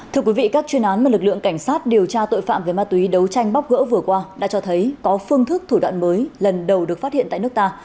thưa quý vị các chuyên án mà lực lượng cảnh sát điều tra tội phạm về ma túy đấu tranh bóc gỡ vừa qua đã cho thấy có phương thức thủ đoạn mới lần đầu được phát hiện tại nước ta